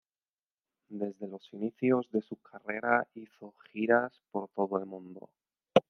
Desde los inicios de su carrera hizo giras por todo el mundo.